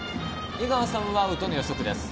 江川さんはアウトの予測です。